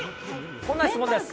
こんな質問です。